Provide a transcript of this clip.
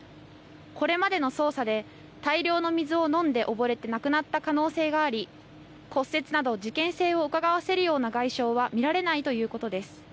これまでの捜査で大量の水を飲んで溺れて亡くなった可能性があり骨折など事件性をうかがわせるような外傷は見られないということです。